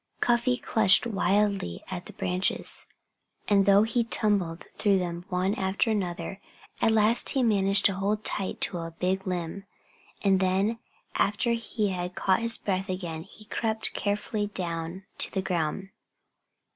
Cuffy clutched wildly at the branches. And though he tumbled through them one after another, at last he managed to hold tight to a big limb. And then, after he had caught his breath again, he crept carefully down to the ground.